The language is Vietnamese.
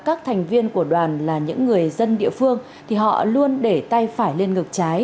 các thành viên của đoàn là những người dân địa phương thì họ luôn để tay phải lên ngực trái